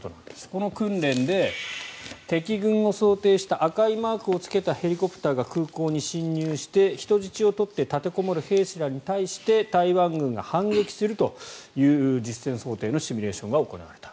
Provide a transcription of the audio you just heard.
この訓練で敵軍を想定した赤いマークをつけたヘリコプターが空港に侵入して人質を取って立てこもる兵士らに対して台湾軍が反撃するという実戦想定のシミュレーションが行われた。